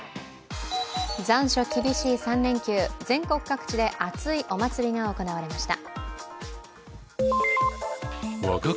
残暑厳しい３連休、全国各地で熱いお祭りが行われました。